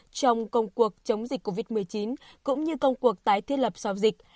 trong công cuộc chống dịch covid một mươi chín cũng như công cuộc tái thiết lập sau dịch